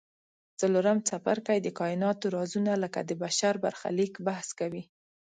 څلورم څپرکی د کایناتو رازونه لکه د بشر برخلیک بحث کوي.